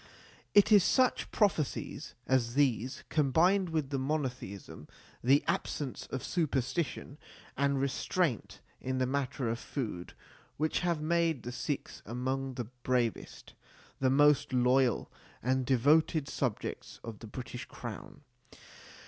It is such prophecies as these, combined with the monotheism, the absence of superstition and restraint in the matter of food, which have made the Sikhs among the bravest, the most loyal and devoted subjects of the British Crown.